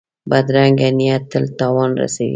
بدرنګه نیت تل تاوان رسوي